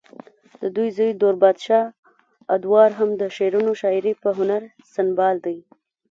ددوي زوے دور بادشاه ادوار هم د شعرو شاعرۍ پۀ هنر سنبال دے